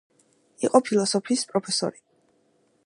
იყო ფილოსოფიის პროფესორი.